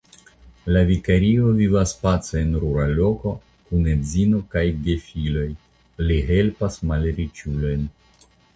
La vikario vivas pace en rura loko kun edzino kaj gefiloj; li helpas malriĉulojn.